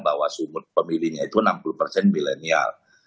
bahwa sumut pemilihnya itu enam puluh persen milenial